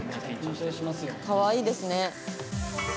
かわいいですね。